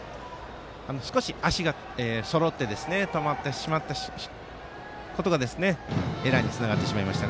少し足がそろってしまって止まってしまったことがエラーにつながってしまいました。